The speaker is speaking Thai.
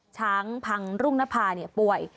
ช้างพังรุ่งนภาป่วย